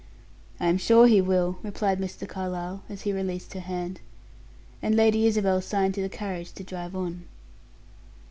"I am sure he will," replied Mr. Carlyle, as he released her hand. And Lady Isabel signed to the carriage to drive on.